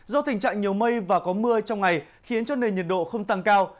do tình trạng nhiều mây và có mưa trong ngày khiến cho nền nhiệt độ không tăng cao